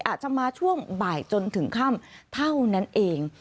อาจจะมาช่วงบ่ายจนถึงค่ำเท่านั้นเอง